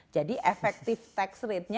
jadi efektif tax rate nya